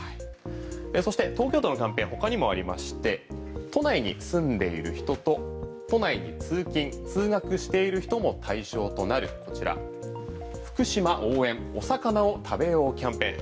そして、東京都のキャンペーン他にもありまして都内に住んでいる人と都内に通勤・通学している人も対象となるこちら福島応援お魚を食べようキャンペーン。